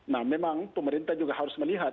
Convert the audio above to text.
nah memang pemerintah juga harus melihat